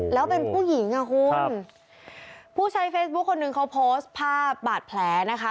แล้วเป็นผู้หญิงอ่ะคุณผู้ใช้เฟซบุ๊คคนหนึ่งเขาโพสต์ภาพบาดแผลนะคะ